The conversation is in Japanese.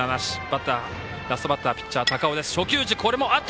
ラストバッターピッチャー、高尾です。